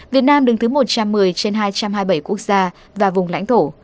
việt nam đứng thứ một trăm một mươi trên hai trăm hai mươi bảy quốc gia và vùng lãnh thổ